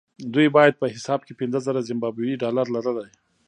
دوی باید په حساب کې پنځه زره زیمبابويي ډالر لرلای.